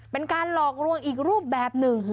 เป็นการหลอกลวงอีกรูปแบบหนึ่ง